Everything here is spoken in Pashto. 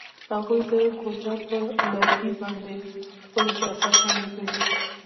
هغوی د کوڅه پر لرګي باندې خپل احساسات هم لیکل.